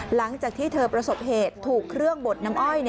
หลังจากที่เธอประสบเหตุถูกเครื่องบดน้ำอ้อย